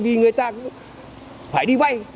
vì người ta cũng phải đi vay